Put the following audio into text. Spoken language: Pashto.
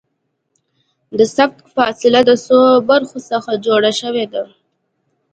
د سبقت فاصله د څو برخو څخه جوړه شوې ده